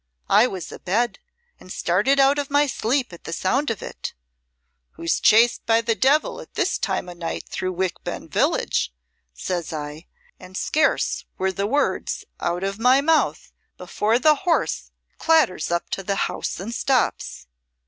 I was abed, and started out of my sleep at the sound of it. 'Who's chased by the devil at this time o' night through Wickben village?' says I, and scarce were the words out of my mouth before the horse clatters up to the house and stops.